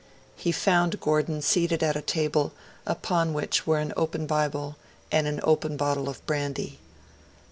He found Gordon seated at a table, upon which were an open Bible and an open bottle of brandy.